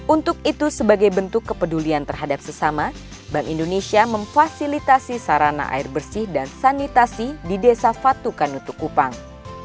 untuk itu sebagai bentuk kepedulian terhadap sesama bank indonesia memfasilitasi sarana air bersih dan sanitasi di desa fatu kanutu kupang